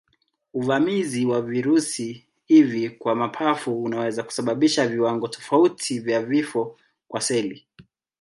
Uvamizi wa virusi hivi kwa mapafu unaweza kusababisha viwango tofauti vya vifo vya seli.